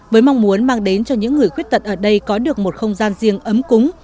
với mong muốn mang đến cho những người khuyết tật ở đây có được một không gian riêng ấm cúng